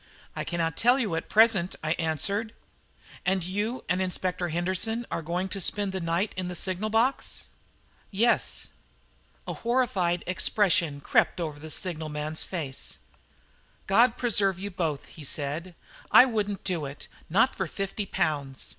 "I cannot tell you at present," I answered. "And you and Inspector Henderson are going to spend the night in the signal box?" "Yes." A horrified expression crept over the signalman's face. "God preserve you both," he said; "I wouldn't do it not for fifty pounds.